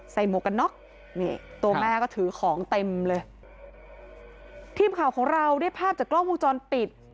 หมวกกันน็อกนี่ตัวแม่ก็ถือของเต็มเลยทีมข่าวของเราได้ภาพจากกล้องวงจรปิด